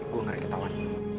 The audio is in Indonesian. gue ngarek ketawan